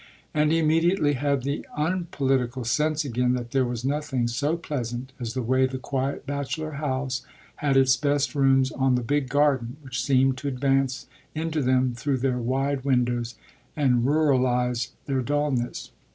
And he immediately had the unpolitical sense again that there was nothing so pleasant as the way the quiet bachelor house had its best rooms on the big garden, which seemed to advance into them through their wide windows and ruralise their dulness.